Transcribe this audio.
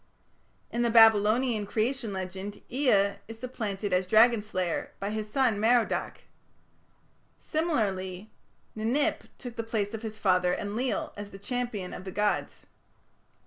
In the Babylonian Creation legend Ea is supplanted as dragon slayer by his son Merodach. Similarly Ninip took the place of his father, Enlil, as the champion of the gods.